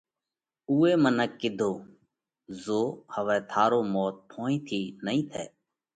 اُوئي منک نئہ ڪِيڌو: زو هوَئہ ٿارو موت ڦونهِي ٿِي نئين ٿئہ